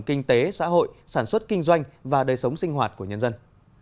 kinh tế xã hội sản xuất kinh doanh và đời sống sinh hoạt của nhân dân